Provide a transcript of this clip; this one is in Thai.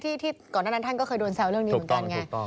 ที่ก่อนหน้านั้นท่านก็เคยโดนแซวเรื่องนี้เหมือนกันไง